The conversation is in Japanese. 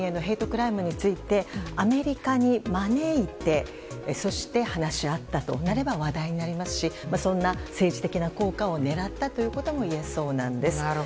クライムについてアメリカに招いてそして、話し合ったとなれば話題になりますしそんな政治的な効果を狙ったということも言えそうなんです。